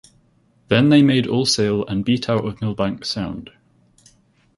Then they made all sail and beat out of Milbanke Sound.